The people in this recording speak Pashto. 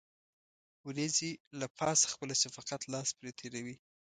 وريځې له پاسه خپل د شفقت لاس پرې تېروي.